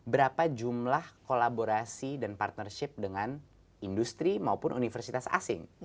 berapa jumlah kolaborasi dan partnership dengan industri maupun universitas asing